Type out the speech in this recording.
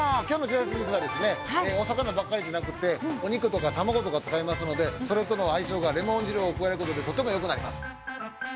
今日のちらし寿司はですねええお魚ばっかりじゃなくってお肉とか卵とか使いますのでそれとの相性がレモン汁を加えることでとてもよくなります。